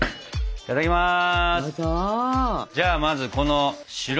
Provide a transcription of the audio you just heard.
いただきます！